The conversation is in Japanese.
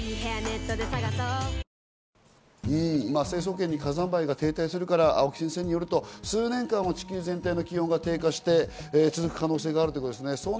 成層圏に火山灰が停滞するから、青木先生によると数年間は地球全体の気温が低下して続く可能性があるということですね。